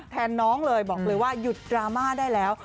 แทนน้องเลยบอกเลยว่าหยุดดราม่าได้แล้ว